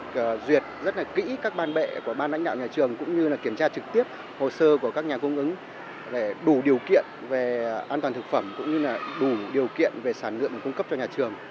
chúng tôi sẽ duyệt rất kỹ các ban bệ của ban đánh đạo nhà trường cũng như kiểm tra trực tiếp hồ sơ của các nhà cung ứng để đủ điều kiện về an toàn thực phẩm cũng như đủ điều kiện về sản lượng và cung cấp cho nhà trường